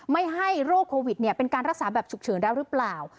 ไม่ให้โรคโควิดเป็นการรักษาแบบฉุกเฉินแล้วหรือเปล่า